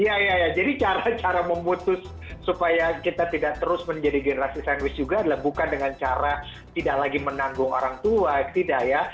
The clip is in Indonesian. iya iya jadi cara cara memutus supaya kita tidak terus menjadi generasi sandwich juga adalah bukan dengan cara tidak lagi menanggung orang tua tidak ya